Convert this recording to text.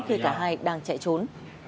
khi cả hai đang chạy trốn